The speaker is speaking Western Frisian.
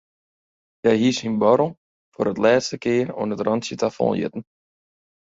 Hja hie syn buorrel foar in lêste kear oan it rântsje ta fol getten.